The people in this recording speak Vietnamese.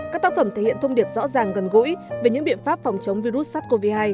các tác phẩm thể hiện thông điệp rõ ràng gần gũi về những biện pháp phòng chống virus sars cov hai